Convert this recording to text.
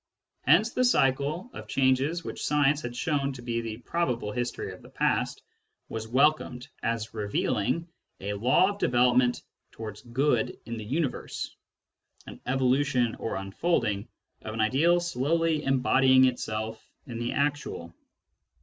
Hence the cycle of changes which science had shown to be the probable history of the past was welcomed as revealing a law of development towards good in the universe — an evolution or unfolding of an ideal slowly embodying itself in the actual.